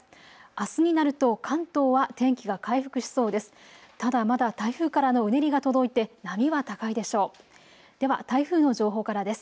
あすになると関東は天気が回復しそうです。